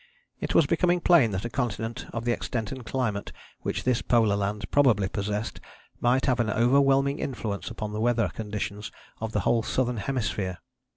It was becoming plain that a continent of the extent and climate which this polar land probably possessed might have an overwhelming influence upon the weather conditions of the whole Southern Hemisphere.